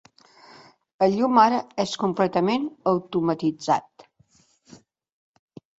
El llum ara és completament automatitzat.